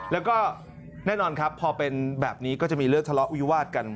แล้วก็แน่นอนครับพอเป็นแบบนี้ก็จะมีเรื่องทะเลาะวิวาสกัน